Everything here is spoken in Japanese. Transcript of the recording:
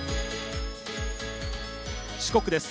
四国です。